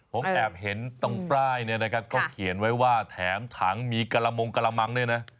ผมแอบเห็นตรงป้ายก็เขียนไว้ว่าแถมถังมีกระมงกระมังด้วยนะ